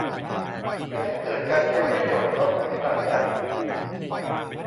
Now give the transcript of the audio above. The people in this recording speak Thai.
เพื่อให้เกิดการใช้ประโยชน์ข้อมูลขนาดใหญ่